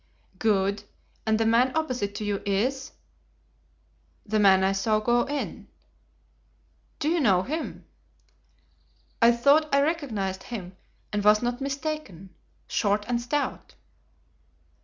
"Good. And the man opposite to you is—— "The man I saw go in." "Do you know him?" "I thought I recognized him, and was not mistaken. Short and stout."